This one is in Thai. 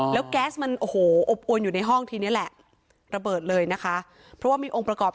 แล้วก็จะลี่กันอยู่ในห้องที่นี่แหละระเบิดเลยนะคะเพราะว่ามีองค์ประกอบ๓อย่าง